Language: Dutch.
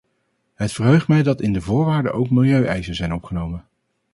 Het verheugt mij dat in de voorwaarden ook milieueisen zijn opgenomen.